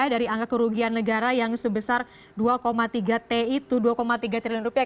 dari angka kerugian negara yang sebesar dua tiga triliun rupiah